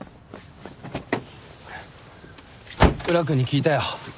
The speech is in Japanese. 宇良君に聞いたよ。